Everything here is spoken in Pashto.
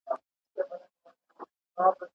عالم پر څه دئ، مير عالم پر څه دئ.